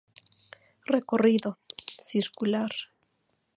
Recorrido: Circular.